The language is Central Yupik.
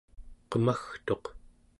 qemagtuq